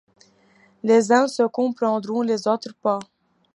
Les uns se comprendront, les autres pas.